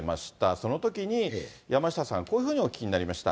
そのときに山下さん、こういうふうにお聞きになりました。